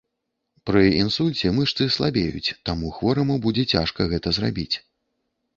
Пры інсульце мышцы слабеюць, таму хвораму будзе цяжка гэта зрабіць.